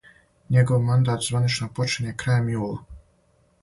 Његов мандат званично почиње крајем јула.